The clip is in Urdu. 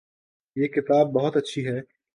یہ کتاب بہت اچھی ہے